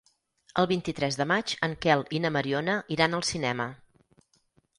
El vint-i-tres de maig en Quel i na Mariona iran al cinema.